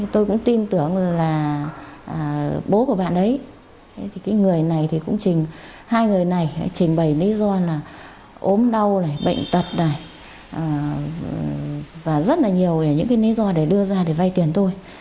tôi cũng tin tưởng là bố của bạn ấy cái người này cũng trình hai người này trình bày lý do là ốm đau bệnh tật và rất là nhiều những lý do để đưa ra để vay tiền tôi